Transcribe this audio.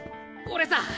俺さ